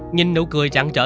nhìn nụ cười rạng rỡ